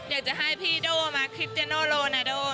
อยากจะให้พี่ด้วมาคริสเทียเนอลโรนาโด